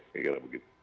ya kira kira begitu